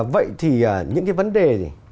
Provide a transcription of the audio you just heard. vậy thì những cái vấn đề